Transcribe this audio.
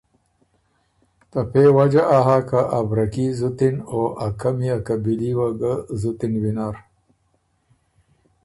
ته پۀ يې وجه آ هۀ که ا بره کي زُت اِن او ا قمی ا قبیلي وه ګه زُت اِن وینر۔